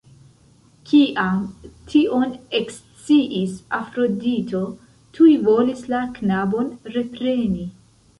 Kiam tion eksciis Afrodito, tuj volis la knabon repreni.